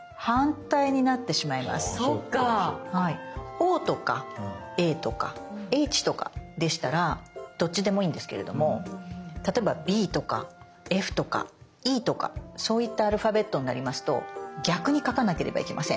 「Ｏ」とか「Ａ」とか「Ｈ」とかでしたらどっちでもいいんですけれども例えば「Ｂ」とか「Ｆ」とか「Ｅ」とかそういったアルファベットになりますと逆に描かなければいけません。